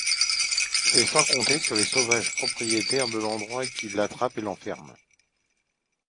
C’était sans compter sur les sauvages propriétaires de l’endroit qui l’attrapent et l’enferment.